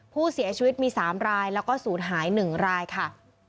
ผู้เสียชีวิตมี๓รายแล้วก็ศูนย์หาย๑รายค่ะ